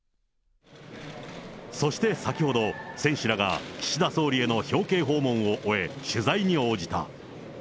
そして先ほど、選手らが、岸田総理への表敬訪問を終え、取材に応じた。